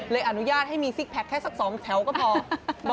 อนุญาตให้มีซิกแพคแค่สัก๒แถวก็พอ